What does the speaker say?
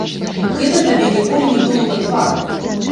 Гэта табе ніколі не было да твару.